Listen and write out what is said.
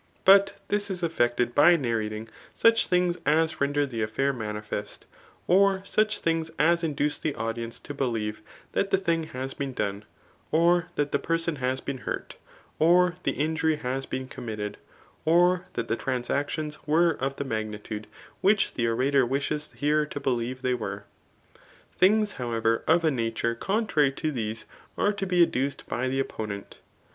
But this is effected by narradng such things at render the afiair manifest ; or such things as induce the audience to believe that the thing has been done, or that the person has been hurt, or the injury has been coni mitted, or that the transactions were of that magnitude whichjthe orator wishes the hearers to believe they were^ Things, however, of a nature contrary to these are to be adduced by the opponent.